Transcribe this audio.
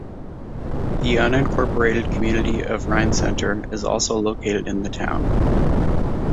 The unincorporated community of Rhine Center is also located in the town.